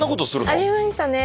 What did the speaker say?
ありましたね。